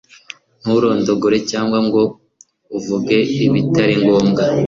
nturondogore cyangwa ngo uvuge ibitari ngombwa